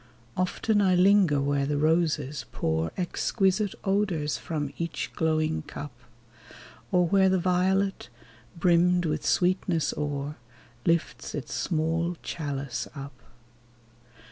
Often I linger where the roses pour Exquisite odors from each glowing cup ; Or where the violet, brimmed with sweetness o'er, Lifts its small chalice up.